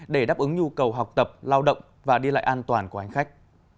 để đáp ứng nhu cầu học tập lao động và đi lại an toàn của hành khách